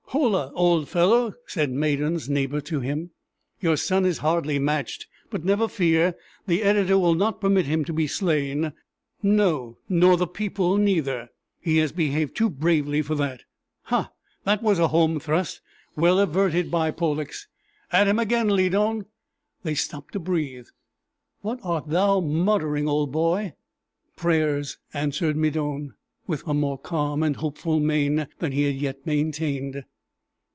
"Holla, old fellow!" said Medon's neighbor to him. "Your son is hardly matched; but never fear, the editor will not permit him to be slain no, nor the people neither: he has behaved too bravely for that. Ha! that was a home thrust! well averted by Pollux! At him again, Lydon! they stop to breathe! What art thou muttering, old boy?" "Prayers!" answered Medon, with a more calm and hopeful mien than he had yet maintained.